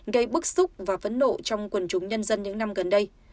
gây bức xúc và phẫn nộ trong quần chúng nhân dân những năm gần đây